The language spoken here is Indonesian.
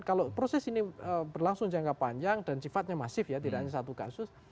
kalau proses ini berlangsung jangka panjang dan sifatnya masif ya tidak hanya satu kasus